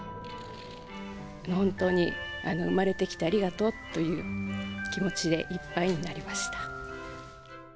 本当に生まれてきてありがとうという気持ちでいっぱいになりました。